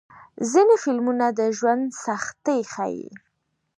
ځینې فلمونه د ژوند سختۍ ښيي.